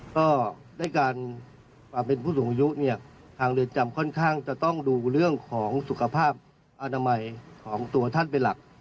ก็ด้วยการเป็นผู้สูงอายุเนี่ยทางเรือนจำค่อนข้างจะต้องดูเรื่องของสุขภาพอนามัยของตัวท่านเป็นหลัก